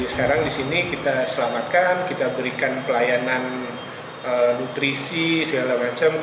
sekarang di sini kita selamatkan kita berikan pelayanan nutrisi segala macam